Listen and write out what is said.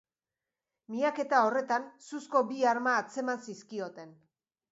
Miaketa horretan, suzko bi arma atzeman zizkioten.